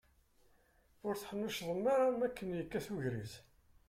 Ur teḥnuccḍem ara makken yekkat ugris.